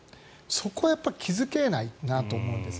そこが気付けないなと思うんです。